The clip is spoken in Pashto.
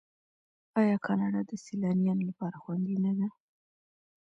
آیا کاناډا د سیلانیانو لپاره خوندي نه ده؟